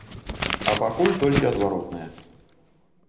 А пакуль толькі адваротнае.